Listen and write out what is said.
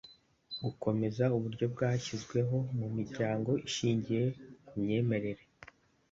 gukomeza uburyo bwashyizweho mu miryango ishingiye ku myemerere